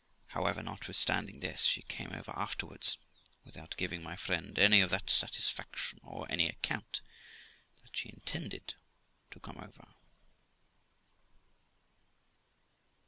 However, notwithstanding this, she came over afterwards, without giving my friend any of that satisfaction, or any account that she intended to come over.